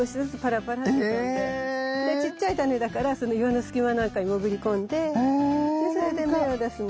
ちっちゃいタネだからその岩の隙間なんかに潜り込んでそれで芽を出すの。